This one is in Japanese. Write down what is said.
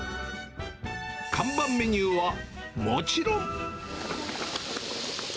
看板メニューはもちろん。